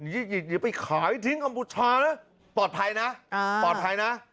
อย่าไปขายทิ้งคมพุทธชาลุ๊กปลอดภัยนะ